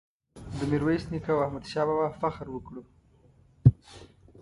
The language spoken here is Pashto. د میرویس نیکه او احمد شاه بابا فخر وکړو.